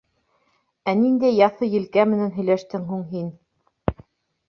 Ә ниндәй яҫы елкә менән һөйләштең һуң һин?